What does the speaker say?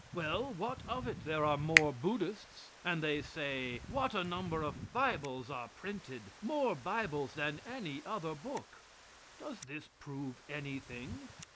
Well, what of it? There are more Buddhists. And they say, what a number of bibles are printed! more bibles than any other book. Does this prove anything?